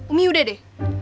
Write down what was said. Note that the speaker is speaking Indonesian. umi udah deh